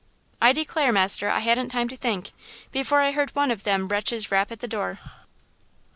"I declare, master, I hadn't time to think, before I heard one of them wretches rap at the door.